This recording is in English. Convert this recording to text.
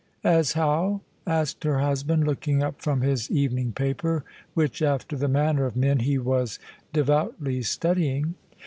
''As how?" asked her husband, looking up from his evening paper, which, after the manner of men, he was de voutly studying.